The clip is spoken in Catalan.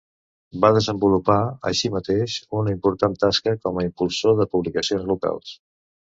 Va desenvolupar, així mateix, una important tasca com a impulsor de publicacions locals.